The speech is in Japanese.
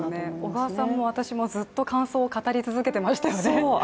小川さんも私も感想をずっと語り続けていましたよね。